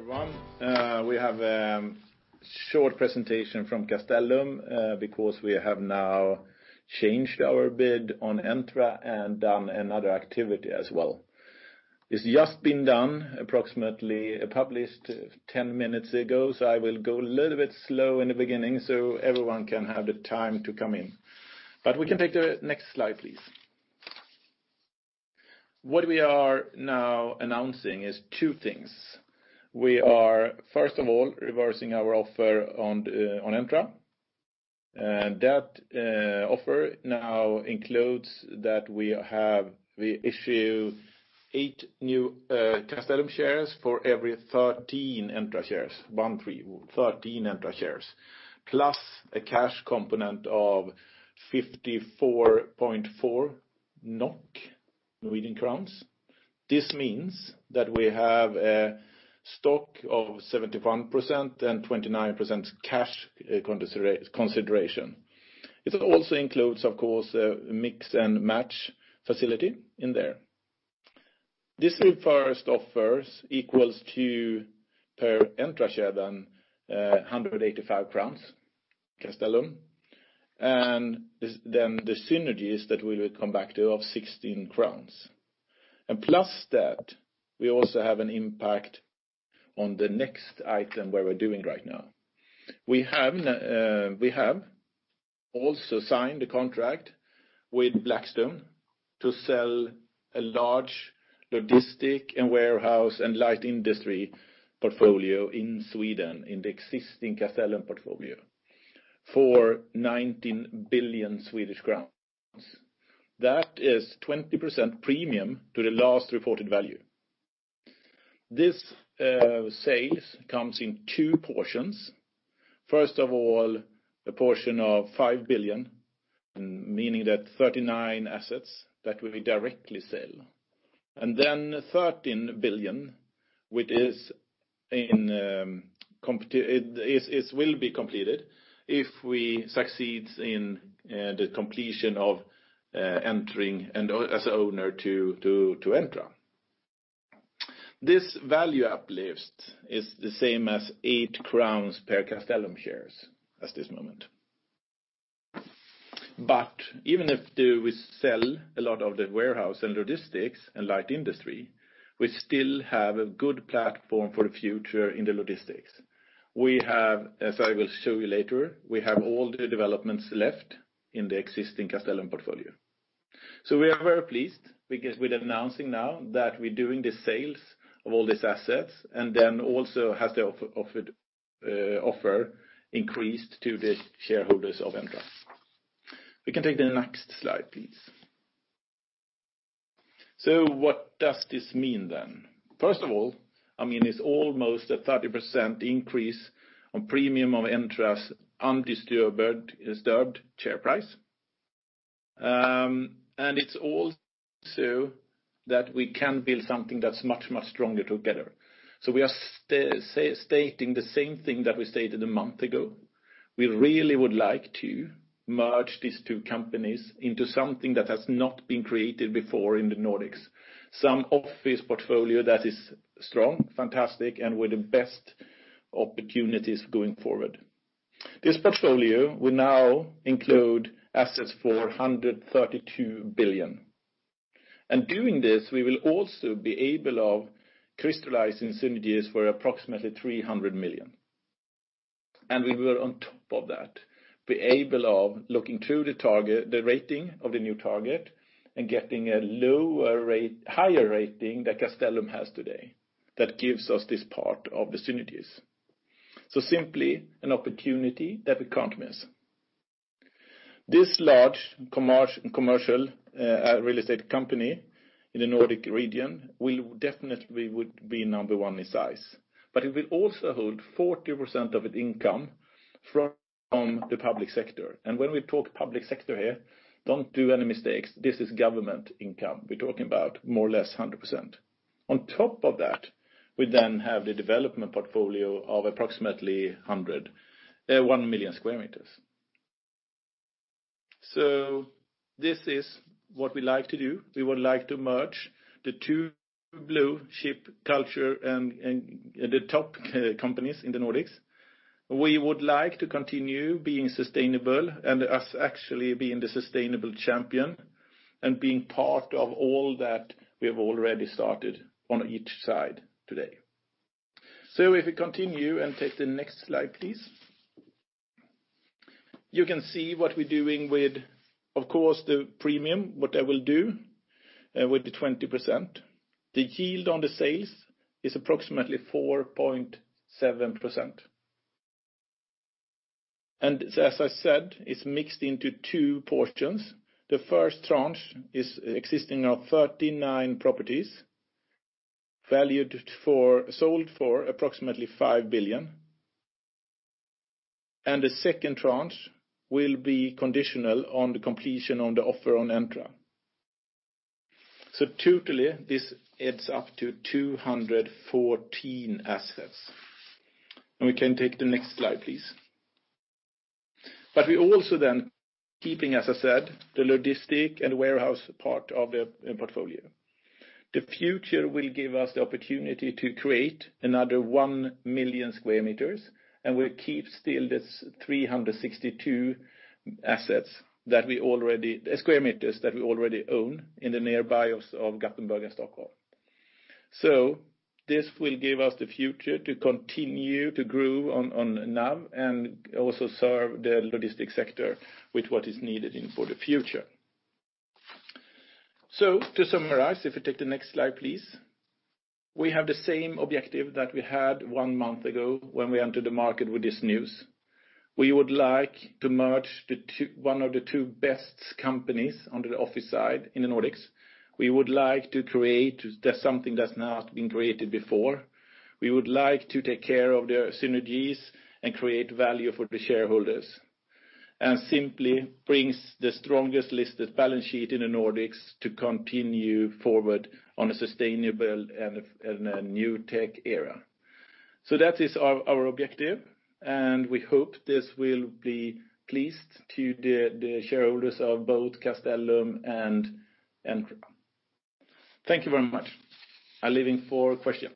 Everyone, we have a short presentation from Castellum because we have now changed our bid on Entra and done another activity as well. It's just been done, approximately published 10 minutes ago, so I will go a little bit slow in the beginning so everyone can have the time to come in. We can take the next slide, please. What we are now announcing is two things. We are, first of all, reversing our offer on Entra. That offer now includes that we issue eight new Castellum shares for every thirteen Entra shares. One, three, thirteen Entra shares. Plus a cash component of 54.4 NOK, Norwegian crowns. This means that we have a stock of 71% and 29% cash consideration. It also includes, of course, a mix-and-match facility in there. This first offer equals to, per Entra share, 185 crowns Castellum. The synergies that we will come back to of 16 crowns. Plus that, we also have an impact on the next item where we're doing right now. We have also signed a contract with Blackstone to sell a large logistic and warehouse and light industry portfolio in Sweden in the existing Castellum portfolio for 19 billion Swedish crowns. That is 20% premium to the last reported value. This sale comes in two portions. First of all, a portion of 5 billion, meaning that 39 assets that we directly sell. 13 billion, which will be completed if we succeed in the completion of entering as owner to Entra. This value uplift is the same as 8 crowns per Castellum shares at this moment. Even if we sell a lot of the warehouse and logistics and light industry, we still have a good platform for the future in the logistics. We have, as I will show you later, we have all the developments left in the existing Castellum portfolio. We are very pleased because we're announcing now that we're doing the sales of all these assets, and then also have the offer increased to the shareholders of Entra. We can take the next slide, please. What does this mean then? First of all, it's almost a 30% increase on premium of Entra's undisturbed share price. It's also that we can build something that's much stronger together. We are stating the same thing that we stated a month ago. We really would like to merge these two companies into something that has not been created before in the Nordics. Some office portfolio that is strong, fantastic, and with the best opportunities going forward. This portfolio will now include assets for 132 billion. Doing this, we will also be able of crystallizing synergies for approximately 300 million. We will on top of that be able of looking to the rating of the new target and getting a higher rating than Castellum has today that gives us this part of the synergies. Simply an opportunity that we can't miss. This large commercial real estate company in the Nordic region definitely would be number one in size. It will also hold 40% of its income from the public sector. When we talk public sector here, don't do any mistakes. This is government income we're talking about, more or less 100%. On top of that, we then have the development portfolio of approximately 1 million square meters. This is what we like to do. We would like to merge the two blue-chip culture and the top companies in the Nordics. We would like to continue being sustainable and us actually being the sustainable champion and being part of all that we have already started on each side today. If we continue and take the next slide, please. You can see what we're doing with, of course, the premium, what I will do with the 20%. The yield on the sales is approximately 4.7%. As I said, it's mixed into two portions. The first tranche is existing of 39 properties, sold for approximately 5 billion. The second tranche will be conditional on the completion on the offer on Entra. Totally, this adds up to 214 assets. We can take the next slide, please. We also then keeping, as I said, the logistics and warehouse part of the portfolio. The future will give us the opportunity to create another 1 million sq m, and we'll keep still this 362 sq m assets, that we already own in the nearby of Gothenburg and Stockholm. This will give us the future to continue to grow on NAV and also serve the logistics sector with what is needed for the future. To summarize, if we take the next slide, please. We have the same objective that we had one month ago when we entered the market with this news. We would like to merge one of the two best companies on the office side in the Nordics. We would like to create something that's not been created before. We would like to take care of the synergies and create value for the shareholders. Simply brings the strongest listed balance sheet in the Nordics to continue forward on a sustainable and a new tech era. that is our objective, and we hope this will be pleased to the shareholders of both Castellum and Entra. Thank you very much. I leave for questions.